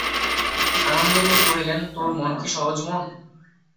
আনন্দময়ী কহিলেন, তোর মন কি সহজ মন!